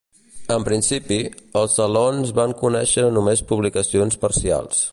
En principi, els Salons van conèixer només publicacions parcials.